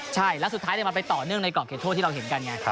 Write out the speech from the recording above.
ใช่แล้วสุดท้ายมันไปต่อเนื่องในกรอบเขตโทษที่เราเห็นกันไง